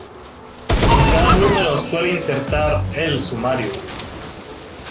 En cada número suele insertar el sumario.